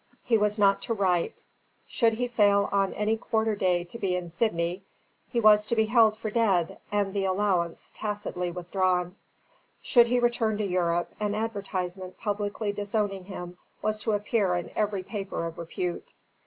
He was not to write. Should he fail on any quarter day to be in Sydney, he was to be held for dead, and the allowance tacitly withdrawn. Should he return to Europe, an advertisement publicly disowning him was to appear in every paper of repute.